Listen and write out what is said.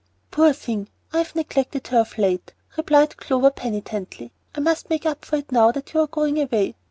"Poor thing. I've neglected her of late," replied Clover, penitently. "I must make up for it now that you are going away.